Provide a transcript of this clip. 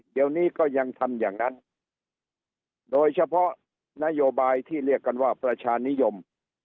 เดี๋ยวนี้ก็ยังทำอย่างนั้นโดยเฉพาะนโยบายที่เรียกกันว่าประชานิยม